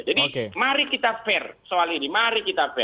jadi mari kita fair soal ini mari kita fair